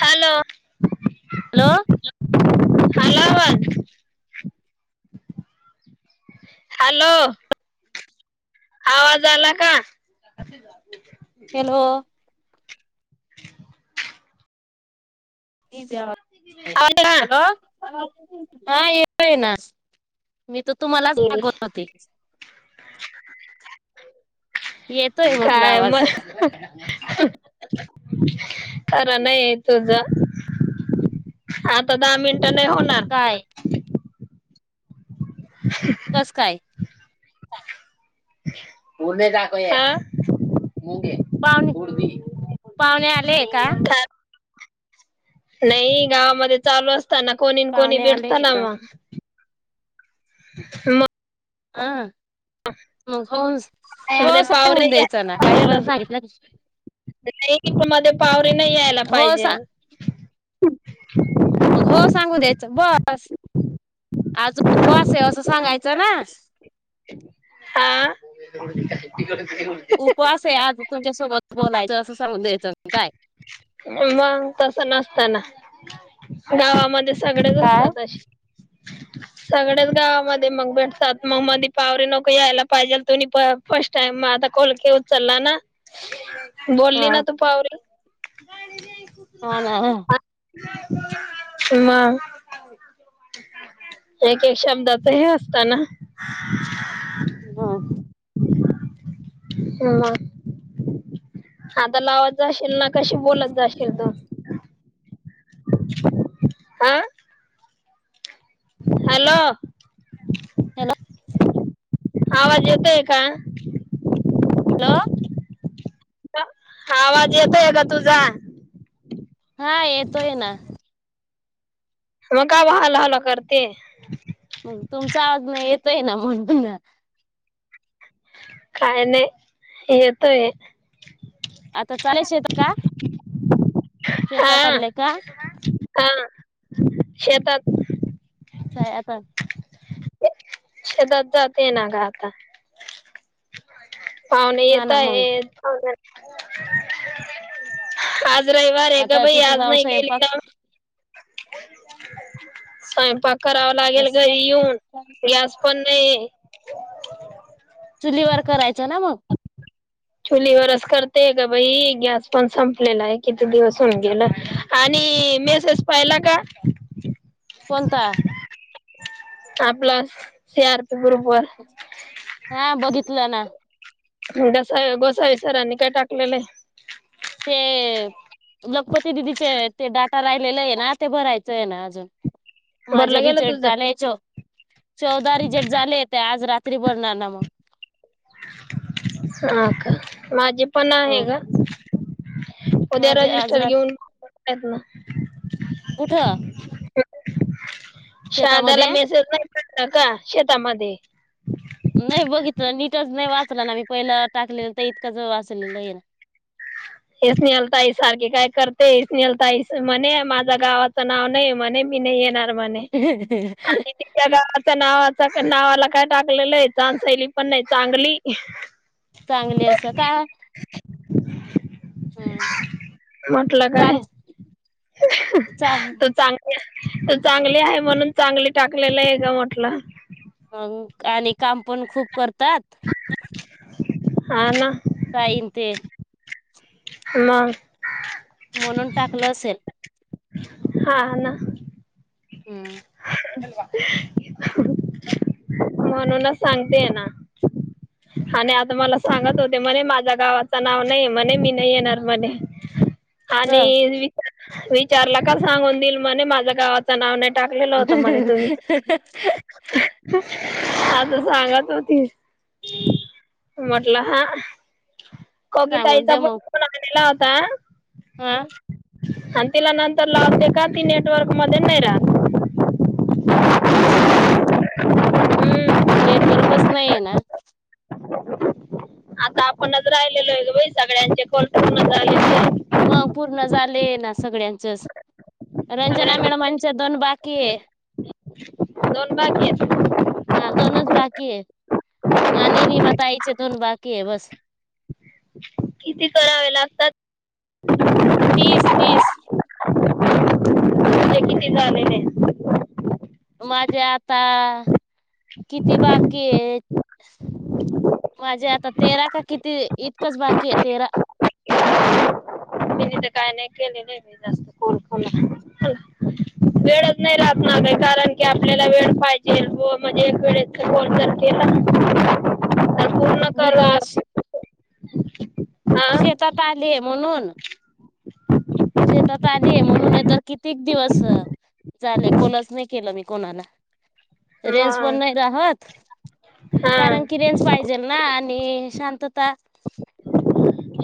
Hello. Hello hello बोल. Hello. आवाज आला का? हॅलो. [inaudible] आवाज आला हॅलो हां येतोय ना. मी तर तुम्हालाच [unintelligible] का त होते. येतोय म्हटलं काय म. आवाज [unintelligible] खर नाहीयं तुझ आता दहा मिनट नाही होणार. काय कसं काय? [inaudible] पाहुणे हा. पाहुणे आले का [unintelligible] नाही गावामध्ये चालू असतना कोणी कोणी पाहुणे आले भेटतना का म. म. हा. हो मग मध्ये हो पावरे सांगून द्यायचं ना काही पण सांगितलं. [inaudible] मध्ये पावरी नाही यायला हो पाहिजे. मगं हो सांगू द्यायच बस. आज उपवास आहे असं सांगायचं ना. हा. उपवास आहे आज तुमच्यासोबत बोलायचं असं सांगून द्यायचं. काय मग तस नसताना गावामध्ये सगळेच काय असतात अशे. [unintelligible] सगळ्याच गावामध्ये मग भेटतात मग मध्ये पावरे नको यायला पाहिजेल तु फर्स्ट टाइम माता खोलके उचलला ना बोलली हा ना तू पावरी. हा ना. मग. एक एक शब्दाच हे असताना. हम्म. मग. आता लावात जाशील ना कशी बोलात जाशील तू. हा. हॅलो. हॅलो. आवाज येतोय का? हॅलो! आवाज येतोय का तुझा? हा येतोय ना. मग काव हॅलो, हॅलो करते. मग तुमचा आवज न येतोय ना म्हणून. काय नाही येतोय. आता चालेय शेतात का? हा शेतात चालले का? हा शेतात. काय आता? शेतात जाते ना ग आता. पाहुणे हा येत ना मग आहेत. आज रविवार आहे गं आता बाई तिथं आज जाऊन नाही गेली स्वयंपाक का? स्वयंपाक करावं लागेल बस घरी येऊन. गॅस पण नाही. चुलीवर करायचं ना मग. चुलीवरच करते ग बाई गॅस पण संपलेला आहे. किती दिवस होऊन गेलं आणि मेसेज पाहिला का? कोणता? आपला. [inaudible] हा बघितलं ना. गस गोसावी सरांनी काय टाकलेलं आहे ते.. लखपती दिदीचे ते डाटा राहिलेले आहे ना ते भरायचं आहे ना अजून माझं भरलं गेलं रिजेक्ट तुझं झाले चौदा चौदा रिजेक्ट झाले ते आज रात्री भरणार ना मग- हो का माझे पण आहे हो ग. उद्या माझे आज रजिस्टर रात घेऊन टाकणा- कुठं शारदा ला शेतामध्ये मेसेज नाही पडला का शेतामध्ये- नाही बघितलं नीटच नाही वाचलं ना मी पहिलं टाकलेलं तर इतकंच वाचलेलं आहे ना [unintelligible] हे स्नेहल ताई सारखे काय करते हे स्नेहल ताई म्हणे माझ्या गावाचं नाव नाही म्हणे मी नाही येत नाही म्हणे गावच् नाव नावाला काय टाकलेलं आहे चान शैली पण नाही चांगली चांगले असं का- हं. म्हटलं काय चांग चांग त चांगली- तर चांगली आहे म्हणून चांगली टाकलेला आहे का म्हटलं. अ आणि काम पण खूप करतात- ह ना... काय म्हणते म.. म्हणून टाकलं असेल- हा ना... हम.. म्हणूनच सांगतेय ना आणि आता मला सांगत होते म्हणे माझ्या गावाचं नाव नाही म्हणे मी नाही येणार म्हणे. आणि वि विचारला का सांगून दिल म्हणे माझ्या गावाच नाव नाही टाकला. गेल्या होता म्हणे तुम्ही- हा तर सांगत होती म्हटलं हा.... कवि सांगून ताईचा दे पण मग फोन आलेला होता- हा आणि तिला नंतर लावते का ती नेटवर्क मध्ये नाही रहात सर हम्म नेटवर्कच नाही आहे ना आता आपणच राहिलेलो आहे ग बाई सगळ्यांचे कॉल पूर्ण झाले आहे मग पूर्ण झाले ना स सगळ्यांचच रंजना मॅडम सगळ्यांनी चे दोन बाकी आहे. दोन बाकी आहे का? हा दोनच बाकी आहे. आणि रिमा ताईचे दोन बाकी आहे बस किती करावे लागतात? तीस, तीस तुझे किती झालेले आहे माझे आता किती बाकीयेत माझे आ ता तेरा का किती इतकंच बाकी आहे तेरा. मी तर काही नाही केले नाही जास्त फोन कॉल वेळच नाही राहत नाही कारण की आपल्याला वेळ पाहिजे व म्हणजे एक वेळे सारखे तर पूर्ण मी कर तर आज हा शेतात आले म्हणून शेतात आलीये म्हणून नाहीतर कितीक दिवस अ, झाले कॉलच नाही केलं मी कोणाला? रेंज पण मग नाही राहत हा कारण की रेंज पाहिजेल ना आणि आणि शांतता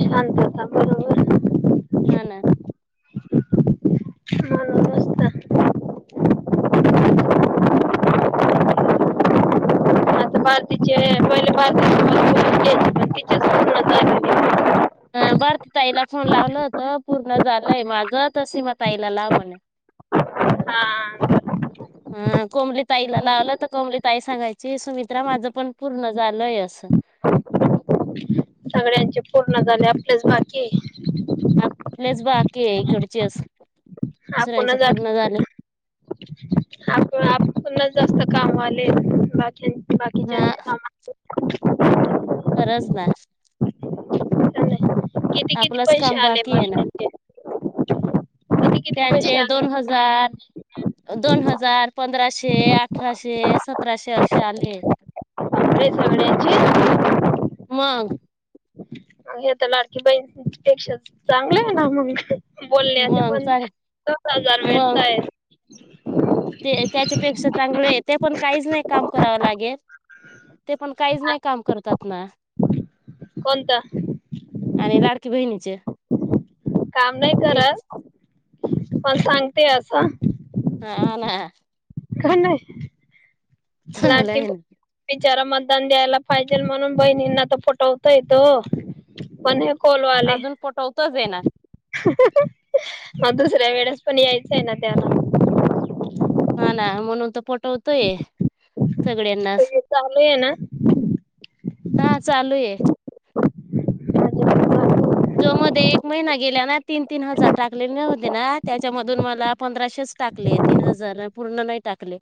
शांतता बरोबर हा ना. म्हणूनच तर हं [unintelligible] अ भारती ताईला फोन लावलं होत पूर्ण झालंय माझ त सीमाताईला लाव म्हण [inaudible] हा हा कोमली ताईला लावलं तर कोमली ताई सांगायची सुमित्रा माझं पण पूर्ण झालय स सगळ्यांचे पूर्ण झाले आपलेच बाकीये आपलेच बाकी इकडचे दुसऱ्यांच आपणच आत- पूर्ण झालं आप आपल जास्त काम आले बा हा बाकीच्याचे काम खरंच ना किती किती आपलंच पैसे काम आले बाकी आहे ना मग किती किती पैसे त्यांचे आले दोन हजार, दोन हजार, पंधराशे अठराशे सत्राशे अशे आले ते सगळ्यांचे मग मग हे तर लाडकी बहीणपेक्षा चांगलं आहे ना मग बोलण्याचे मग पण चांग दस हजार मग भेटताय ते त्याच्यापेक्षा चांगलं आहे ते पण काहीच नाही काम करावं लागेल ते पण काहीच नाही काम करतात ना कोणता आणि लाडकी बहिणीचे काम नाही तेच करत पण सांगते असं हा ना का नाही चांगलं लाडकी आहे ना बिचार मतदान द्यायला पाहिजेल म्हणून बहिणींना त पटवतय तो पण कोलवाले तोे हे ना मग दुसऱ्या वेळेस पण यायचं आहे ना त्याला हा ना म्हणून तो पटोवतोय, सगळ्यांनाच, ते चालू आहे ना हा चालूये. जो मध्ये एक महिना गेल्या ना, तीन तीन हजार टाकलेले होते ना, त्याच्यामधून मला पंधराशेच टाकले तीन हजार पूर्ण नाही टाकले.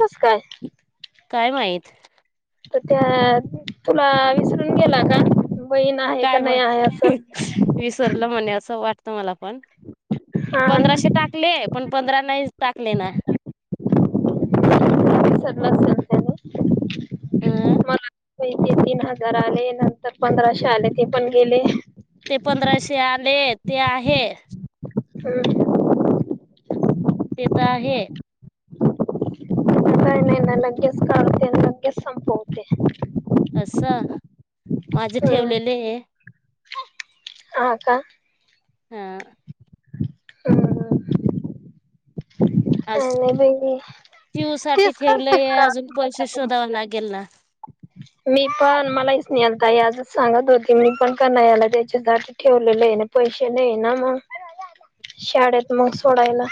कस काय काय माहीत. त्या तुला विसरून गेला का? बहीण आहे का काय नाही माहित, आहे असं विसरलं म्हणे असं वाट त तुम्हाला पण, हा पंधराशे ना टाकले, पण पंधरा नाहीच टाकले ना. [unintelligible] मला अ तीन हजार आले, नंतर पंधराशे आले, ते पण गेले. ते पंधराशे आले ते आहे. हम्म हम्म. ते त आहे. नाही नाही ना, लगेच काढते लगेच संपवते. अस, माझे हम्म ठेवलेलेये. हा का? हा. हम्म हम्म. आज बाई त्यू साठी तेच खर्च ठेवलेय, करा अजून पैसे शोधावा लागेल ना. [inaudible] मी पण, मलाही स्नेहल ताई आजच सांगत होते, मी पण का नाही याला त्याच्या साठी ठेवलेलेय ना. पैसे नाही ना मग, शाळेत मग सोडायला.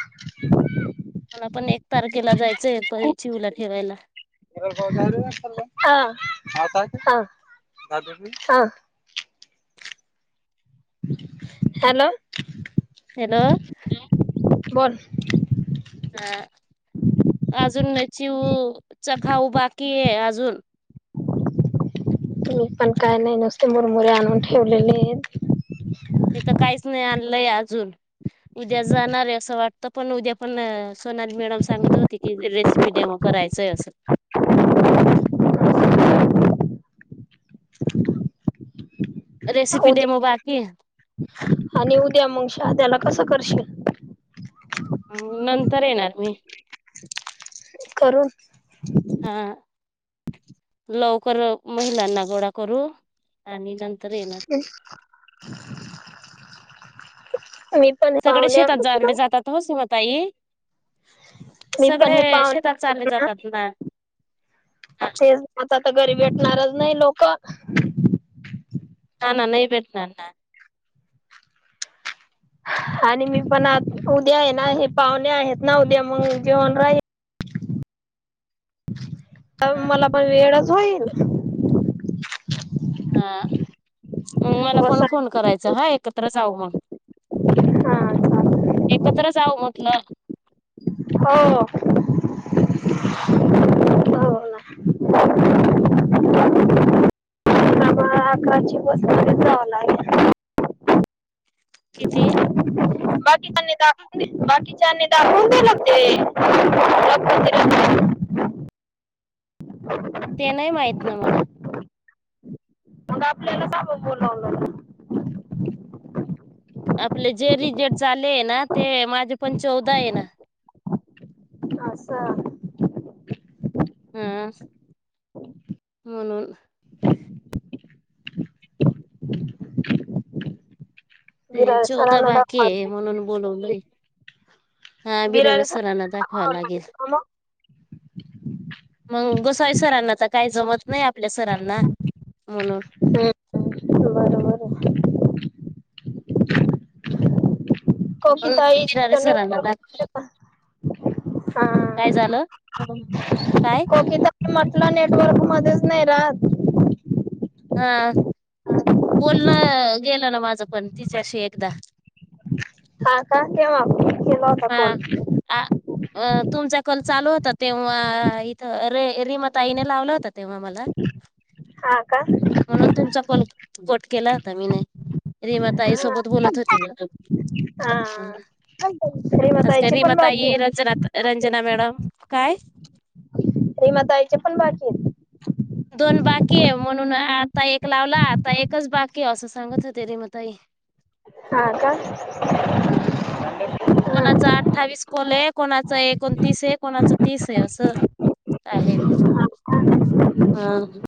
मला पण एक तारखेला जायचंय, प चिउला ठेवायला. बर वाटा [unintelligible] हो. हॅलो. हॅलो बोल. हा. अजून चिऊ चा खाऊ बाकीये अजून. मी पण काय नाही नुसते मुरमुरे आणून ठेवलेलेयेत. मी तर काहीच नाही आणलंय अजून, उद्या जाणार आहे असं वाटतं पण, उद्या पण सोनाली मॅडम सांगत होती की, रेसिपी डेम करायचंय असं. [inaudible] रेसिपी डेमो उद्या बाकी आहे, आणि उद्या मग शाहादाला कसं करशील. नंतर येणार मी. करून. हा. लवकर महिलांना गोळा करू, आणि नंत ह. मी पण पावणे आकरा ताई. मी पण हे शेतात पाहूणे चालले गेलेना. जातात ना तेच आता तर घरी भेटणारच नाही लोक. हा ना नाही भेटनार ना. आणि मी पण आज उद्याय ना हे पाहुणे आहेत ना उद्या मग जेवण राही. [inaudible] त मला पण वेळच होईल. हा मग मला पण बसा फोन कराय हा एकत्र जाऊ म. हा एकत्र जाऊ म्हटलं. हो. हो ना म आकाची बसन जाव लागेल. [inaudible] किती बाकीच्या नी दखऊ, बाकीच्या नी दखऊन दिल ते [unintelligible] [inaudible] ते नाही माहित ना मला? मग आपल्याल का बर बोलावलं नाय. आपले जे रिजेट झाले आहे ना ते माझे पण चौदा आहे ना. अस. हा म्हणून ते बिरार चौदा सरांना बाकीे दाखवाव आहे लागेल म्हणून बोलवलंय. हा [unintelligible] बिरार सोलाना सरांना दाखववा दाखवावं लागेल. का मग? मग गोसाई सरांना तर काय जमत नाही आपल्या सरांना, म्हणून. हम्म बरोबर आहे. म्हणून कोकिताई [unintelligible] च सरांना दाख नेटवर्क काय झालं? म्हणुन. कोकी काकी म्हटलं नेटवर्क मध्येच नाही राहात. हा, बोल गेल ना माझं पण तिच्याशी एकदा. हा का, केव्हा? केला होता हा, कॉल आ, अ तुमचा कॉल चालू होता तेव्हा इथं रे रिमाताईने लावला होता तेव्हा मला. हा. का म्हणून तुमचा कॉल कट केला होता मीने. रिमाताई सोबत हा. बोलत होती ना ग. हा आज काय श्रीमताईचे रिमा पण बाकी ताई, आहेत रंजना, रंजना मॅडम काय? रीमाताईचे पण बाकी आहेत. दोन बाकी आहे म्हणून आता एक लावला आता एकच बाकी असं सांगत होते रिमाताई. हा का हा, हा. कोणाच अठ्ठावीस कॉल आहेत. कोणाचं एकोणतीस आहे, कोणाच तीस आहे असं आहे. हा.